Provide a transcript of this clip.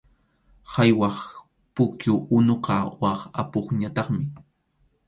Qhaywaq pukyu unuqa wak apupñataqmi.